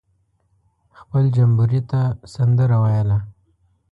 خپل جمبوري ته سندره ویله.